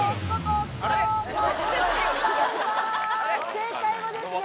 正解はですね